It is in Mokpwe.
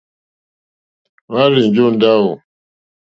Hwá rzènjó ndáwù.